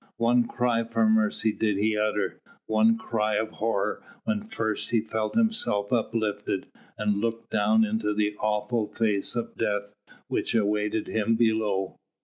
One cry for mercy did he utter, one cry of horror when first he felt himself uplifted and looked down into the awful face of Death which awaited him below.